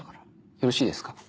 よろしいですか？